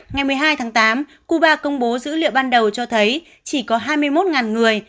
ngày một mươi hai tháng tám cuba công bố dữ liệu ban đầu cho thấy chỉ có hai mươi một người